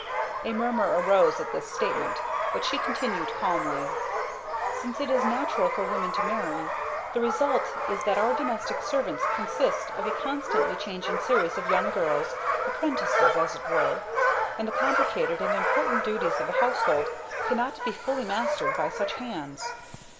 A murmur arose at this statement, but she continued calmly: "Since it is natural for women to marry, the result is that our domestic servants consist of a constantly changing series of young girls, apprentices, as it were; and the complicated and important duties of the household cannot be fully mastered by such hands."